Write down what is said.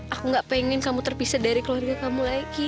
aku gak pengen kamu terpisah dari keluarga kamu lagi